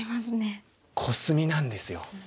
コスミなんですよ。